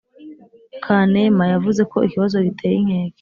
Kanema yavuze ko ikibazo giteye inkeke,